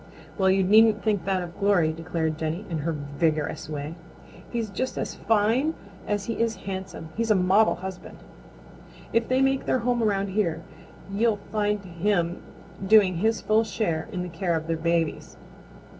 "Well, you needn't think that of Glory," declared Jenny in her vigorous way. "He's just as fine as he is handsome. He's a model husband. If they make their home around here you'll find him doing his full share in the care of their babies.